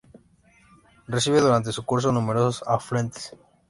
Recibe durante su curso numerosos afluentes.